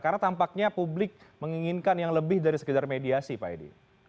karena tampaknya publik menginginkan yang lebih dari sekedar mediasi pak edi